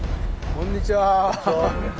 こんにちは。